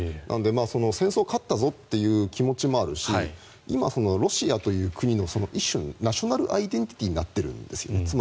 なので、戦争に勝ったぞという気持ちもあるし今ロシアという国の一種のナショナルアイデンティティーになっているんですね。